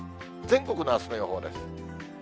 全国のあすの予報です。